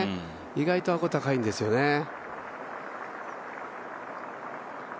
意外とアゴ高いんですよね。